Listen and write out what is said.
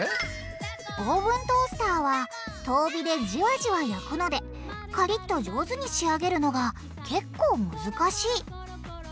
オーブントースターは遠火でじわじわ焼くのでカリッと上手に仕上げるのがけっこう難しい。